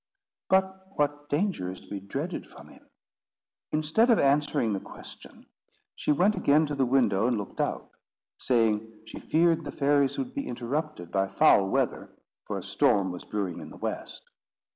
"But what danger is to be dreaded from him?" Instead of answering the question, she went again to the window and looked out, saying she feared the fairies would be interrupted by foul weather, for a storm was brewing in the west.